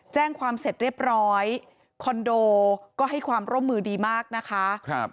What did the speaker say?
แจ้งความเสร็จเรียบร้อยคอนโดก็ให้ความร่วมมือดีมากนะคะ